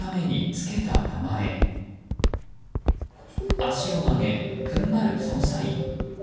足を曲げ踏ん張る捜査員。